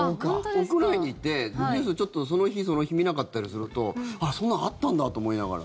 屋内にいて、ニュース、ちょっとその日見なかったりするとあ、そんなんあったんだと思いながら。